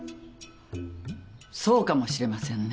そうかもしれませんね。